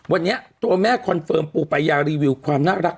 วันนี้ตัวแม่คอนเฟิร์มปูปายารีวิวความน่ารัก